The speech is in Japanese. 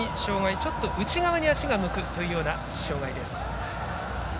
ちょっと内側に足が向くという障がいです。